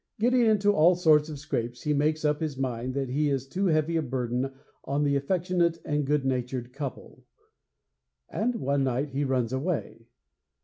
Getting into all sorts of scrapes, he makes up his mind that he is too heavy a burden on the affectionate and good natured couple; and one night he runs away.